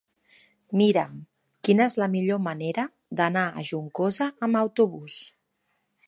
Mira'm quina és la millor manera d'anar a Juncosa amb autobús.